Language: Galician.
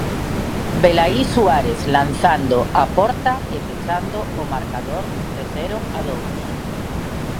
Velaí Suárez lanzando a porta e pechando o marcador de cero a dous.